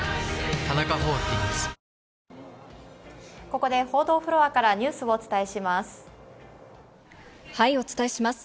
ここで報道フロアからニューはい、お伝えします。